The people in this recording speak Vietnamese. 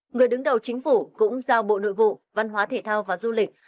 người đứng đầu chính phủ cũng giao bộ nội vụ văn hóa thể thao và du lịch